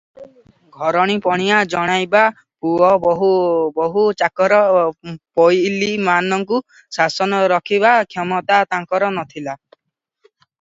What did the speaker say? ଘରଣୀପଣିଆ ଜଣାଇବା, ପୁଅ ବୋହୂ, ଚାକର, ପୋଇଲୀମାନଙ୍କୁ ଶାସନରେ ରଖିବାର କ୍ଷମତା ତାଙ୍କର ନଥିଲା ।